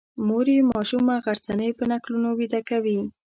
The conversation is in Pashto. مور یې ماشومه غرڅنۍ په نکلونو ویده کوي.